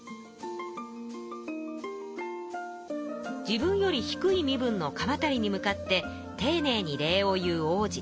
自分より低い身分の鎌足に向かってていねいに礼を言う皇子。